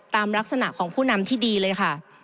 ตามลักษณะของผู้นำที่ดีเลยค่ะ